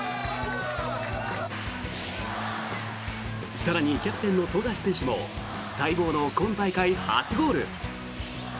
更にキャプテンの富樫選手も待望の今大会初ゴール。